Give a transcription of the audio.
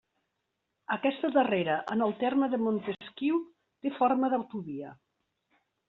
Aquesta darrera en el terme de Montesquiu té forma d'autovia.